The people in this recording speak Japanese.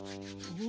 お。